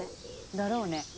だろうね。